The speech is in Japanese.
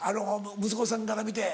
息子さんから見て。